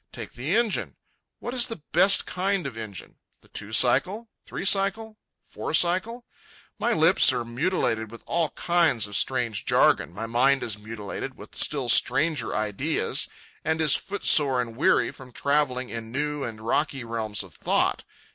Take the engine. What is the best kind of engine—the two cycle? three cycle? four cycle? My lips are mutilated with all kinds of strange jargon, my mind is mutilated with still stranger ideas and is foot sore and weary from travelling in new and rocky realms of thought.